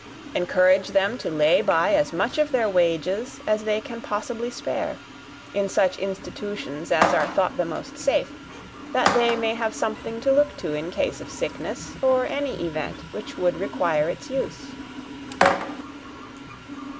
Encourage them to lay by as much of their wages as they can possibly spare, in such institutions as are thought the most safe, that they may have something to look to in case of sickness, or any event which would require its use.